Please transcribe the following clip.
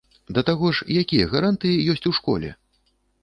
Да таго ж, якія гарантыі ёсць у школе?